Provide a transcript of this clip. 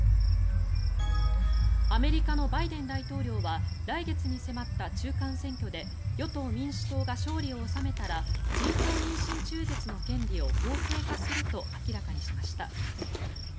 アメリカのバイデン大統領は来月に迫った中間選挙で与党・民主党が勝利を収めたら人工妊娠中絶の権利を法制化すると明らかにしました。